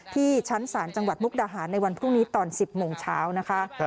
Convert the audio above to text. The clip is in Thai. ที่ชั้นศาลจังหวัดมุกดาหารในวันพรุ่งนี้ตอน๑๐โมงเช้านะคะ